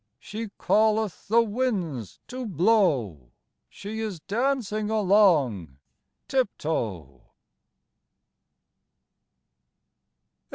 She calleth the winds to blow, She is dancing along tip toe